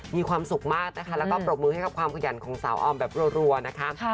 มีความสุขมากนะคะแล้วก็ปรบมือให้กับความขยันของสาวออมแบบรัวนะคะ